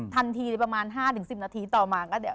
ทันทีประมาณ๕๑๐นาทีต่อมาก็เดี๋ยว